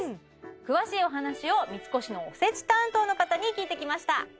詳しいお話を三越のおせち担当の方に聞いてきました